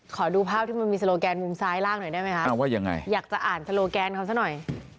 ขอดูภาพที่มันมีโลแกนมุมซ้ายล่างหน่อยได้ไหมคะว่ายังไงอยากจะอ่านสโลแกนเขาซะหน่อย